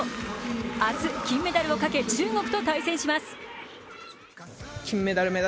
明日、金メダルをかけ中国と対戦します。